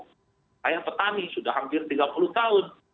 saya petani sudah hampir tiga puluh tahun